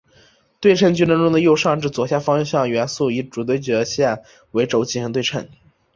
对称矩阵中的右上至左下方向元素以主对角线为轴进行对称。